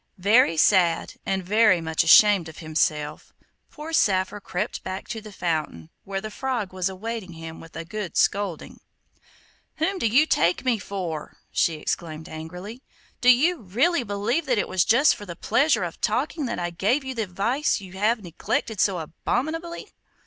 Very sad, and very much ashamed of himself poor Saphir crept back to the fountain, where the Frog was awaiting him with a good scolding. 'Whom do you take me for?' she exclaimed angrily. 'Do you really believe that it was just for the pleasure of talking that I gave you the advice you have neglected so abominably?